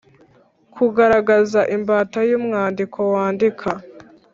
Kugaragaza imbata y’umwandiko wandika